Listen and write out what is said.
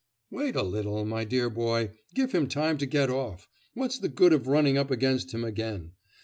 'Wait a little, my dear boy; give him time to get off. What's the good of running up against him again?